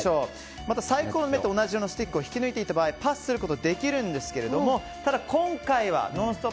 また、サイコロの目と同じ色のスティックを引き抜いていた場合はパスすることができるんですがただ今回は「ノンストップ！」